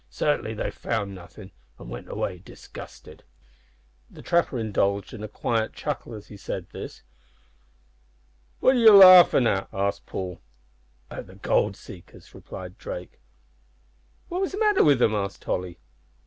Sartinly they found nothin', an' went away disgusted." The trapper indulged in a quiet chuckle as he said this. "What are ye larfin' at?" asked Paul. "At the gold seekers," replied Drake. "What was the matter wi' 'em," asked Tolly.